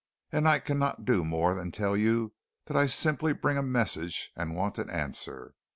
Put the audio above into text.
And I cannot do more than tell you that I simply bring a message and want an answer.